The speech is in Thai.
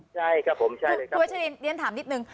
ใช่ครับผมใช่ครับคุณวัชลินเรียนถามนิดนึง